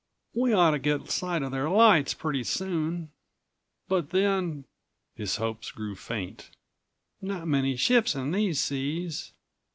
"We ought to get sight of their lights pretty soon. But then," his hopes grew faint, "not many ships in these seas.